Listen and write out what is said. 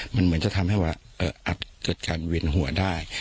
มันเหมือนจะทำให้ว่าอาจเกิดการเวียนหัวได้